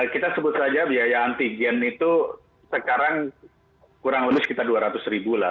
kita sebut saja biaya antigen itu sekarang kurang lebih sekitar dua ratus ribu lah